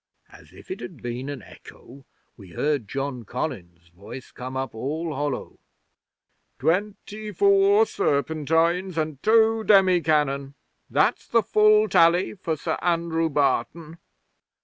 'As if it had been an echo, we heard John Collins's voice come up all hollow: "Twenty four serpentines and two demi cannon. That's the full tally for Sir Andrew Barton."